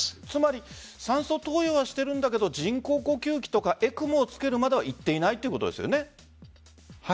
つまり酸素投与しているけど人工呼吸器とかＥＣＭＯをつけるまではいっていないということですね。